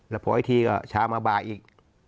แล้วพออีกทีก็เช้ามาบ่ายอีก